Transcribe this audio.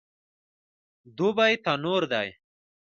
دوبی تنور دی